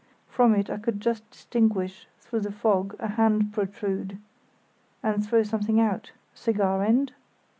From it I could just distinguish through the fog a hand protrude, and throw something out—cigar end?